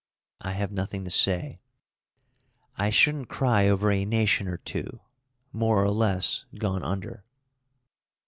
I have nothing to say; I shouldn't cry over a nation or two, more or less, gone under.